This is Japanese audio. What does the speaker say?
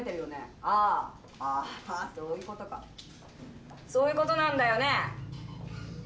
ああーああーそういうことかそういうことなんだよね？